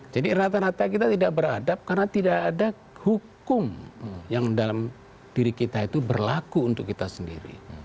jadi rata rata kita tidak beradat karena tidak ada hukum yang dalam diri kita itu berlaku untuk kita sendiri